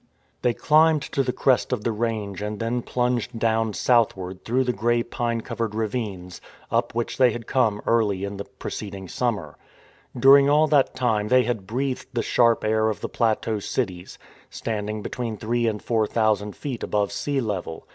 They climbed to the crest of the range and then THE RETURN JOURNEY 153 plunged down southward through the grey pine covered ravines, up which they had come early in the preceding summer. During all that time they had breathed the sharp air of the plateau cities — standing between three and four thousand feet above sea level.